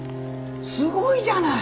すごいじゃない！